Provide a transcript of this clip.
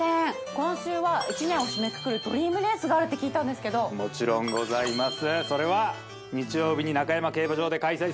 今週は一年を締めくくるドリームレースがあるって聞いたんですけどもちろんございます